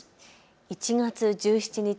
１月１７日。